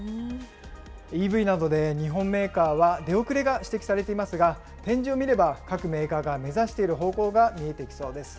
ＥＶなどで日本メーカーは出遅れが指摘されていますが、展示を見れば、各メーカーが目指している方向が見えてきそうです。